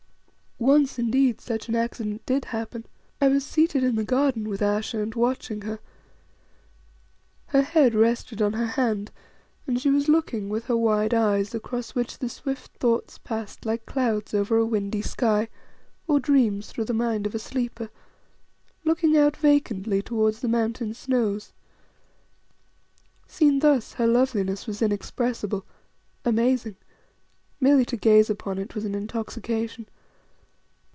Once indeed such an accident did happen. I was seated in the garden with Ayesha and watching her. Her head rested on her hand, and she was looking with her wide eyes, across which the swift thoughts passed like clouds over a windy sky, or dreams through the mind of a sleeper looking out vacantly towards the mountain snows. Seen thus her loveliness was inexpressible, amazing; merely to gaze upon it was an intoxication.